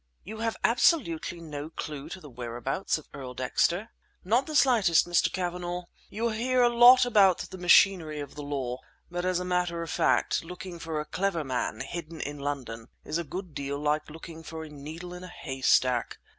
"You have absolutely no clue to the whereabouts of Earl Dexter?" "Not the slightest, Mr. Cavanagh. You hear a lot about the machinery of the law, but as a matter of fact, looking for a clever man hidden in London is a good deal like looking for a needle in a haystack.